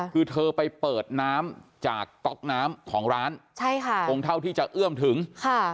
คือเธอไปเปิดน้ำจากก๊อกน้ำของร้านใช่ค่ะคงเท่าที่จะเอื้อมถึงค่ะ